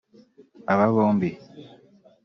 Aba bombi